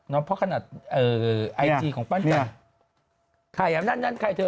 เพราะขนาดเอ่อไอจีของปั้นจันทร์ใครอ่ะนั่นใครเธอ